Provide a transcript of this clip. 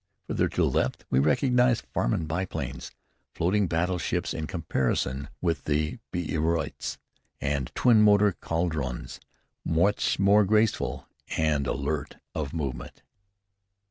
Farther to the left, we recognized Farman biplanes, floating battleships in comparison with the Blériots, and twin motor Caudrons, much more graceful and alert of movement.